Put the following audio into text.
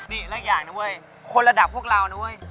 นี่และอีกอย่างนะเว้ยคนระดับพวกเรานะเว้ย